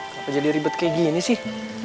kenapa jadi ribet kayak gini sih